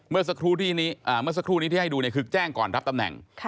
เมื่อสักครู่นี้ที่ให้ดูคือแจ้งก่อนรับตำแหน่ง